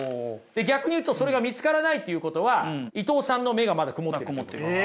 逆に言うとそれが見つからないっていうことは伊藤さんの目がまだ曇ってるということです。